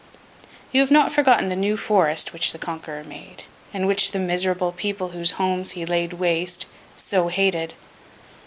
You have not forgotten the New Forest which the Conqueror made, and which the miserable people whose homes he had laid waste, so hated.